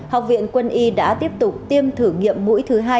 học viện quân y đã tiếp tục tiêm thử nghiệm mũi thứ hai